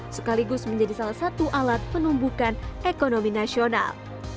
sekaligus menjadi salah satu alat penumbukan ekonomi nasional